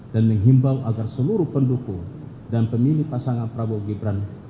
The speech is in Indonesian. dan menghimbau agar seluruh pendukung dan pemilih pasangan prabowo gibran